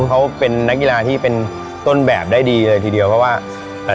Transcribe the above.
เขาเป็นนักกีฬาที่เป็นต้นแบบได้ดีเลยทีเดียวเพราะว่าเอ่อ